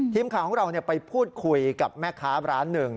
ทีมข่าวของเราไปพูดคุยกับแม่ค้าร้านหนึ่ง